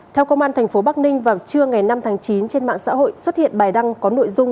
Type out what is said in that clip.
theo công an tp bắc ninh vào trưa ngày năm tháng chín trên mạng xã hội xuất hiện bài đăng có nội dung